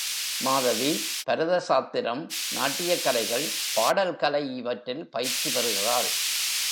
மாதவி பரத சாத்திரம், நாட்டியக் கலைகள், பாடல் கலை இவற்றில் பயிற்சி பெறுகிறாள்.